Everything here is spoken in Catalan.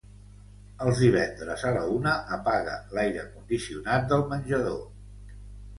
Els divendres a la una apaga l'aire condicionat del menjador.